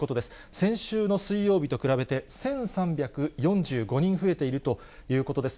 先週の水曜日と比べて、１３４５人増えているということです。